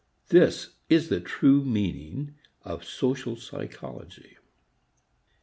This is the true meaning of social psychology.